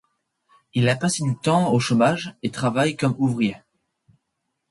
Il a passé du temps au chômage et travaille comme ouvrier.